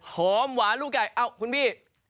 หอมหวานลูกไก่อ้าวคุณบี